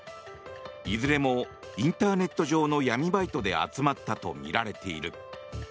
いずれもインターネット上の闇バイトで集まったとみられている。